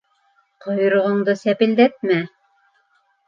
Ҡойроғоңдо сәпелдәтмә!